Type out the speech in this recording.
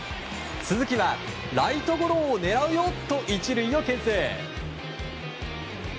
鈴木は、ライトゴロを狙うよ！と１塁を牽制。